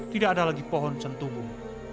tidak ada lagi pohon sentuh buah